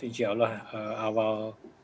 insya allah awal